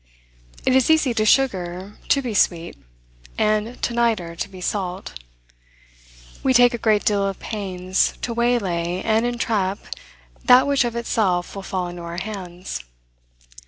It is easy to sugar to be sweet, and to nitre to be salt. We take a great deal of pains to waylay and entrap that which of itself will fall into our hands.